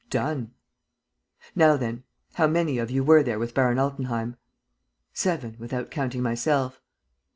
"Done!" "Now then. How many of you were there with Baron Altenheim?" "Seven, without counting myself."